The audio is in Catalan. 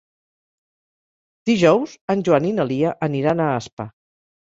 Dijous en Joan i na Lia aniran a Aspa.